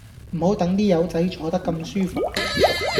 唔好等啲友仔坐得咁舒服